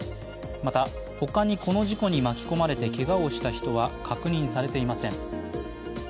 また、他にこの事故で巻き込まれてけがをした人は確認されていません。